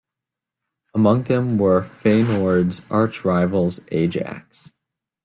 Among them were Feyenoord's archrivals Ajax.